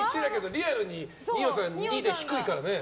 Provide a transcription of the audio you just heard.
リアルに二葉さん２で低いからね。